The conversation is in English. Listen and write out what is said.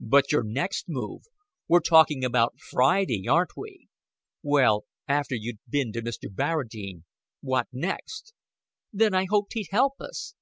"But your next move! We're talking about Friday, aren't we? Well, after you'd bin to Mr. Barradine, what next?" "Then I hoped he'd help us."